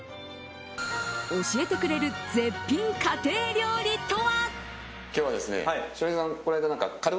教えてくれる絶品家庭料理とは？